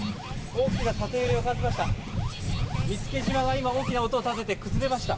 大きな縦揺れを感じました。